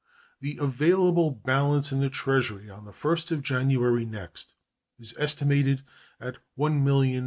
The available balance in the Treasury on the 1st of January next is estimated at $ 1,500,000.